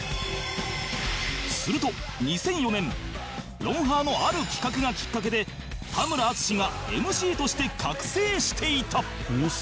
すると２００４年『ロンハー』のある企画がきっかけで田村淳が ＭＣ として覚醒していた